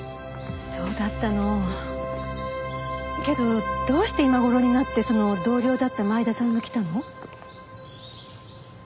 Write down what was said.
けどどうして今頃になってその同僚だった前田さんが来たの？